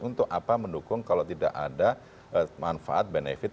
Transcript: untuk apa mendukung kalau tidak ada manfaat benefit